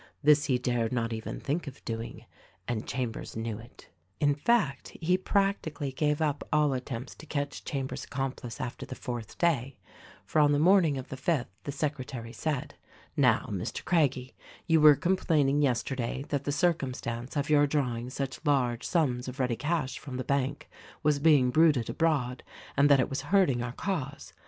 This he dared not even think of doing — and Chambers knew it. In fact, he practically gave up all attempts to catch Chambers' accomplice after the fourth day ; for on the morning of the fifth the secretary said, "Now, Mr. Craggie, you were complaining yesterday that the circumstance of your drawing such large sums of ready cash from the bank was being bruited abroad and that it was hurting our cause.